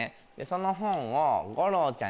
その本を。